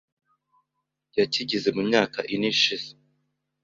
yakigize mu myaka ine ishize